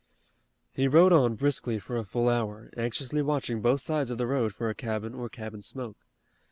He rode on briskly for a full hour, anxiously watching both sides of the road for a cabin or cabin smoke.